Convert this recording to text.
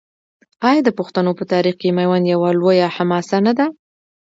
آیا د پښتنو په تاریخ کې میوند یوه لویه حماسه نه ده؟